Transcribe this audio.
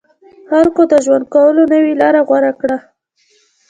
خلکو د ژوند کولو نوې لاره غوره کړه.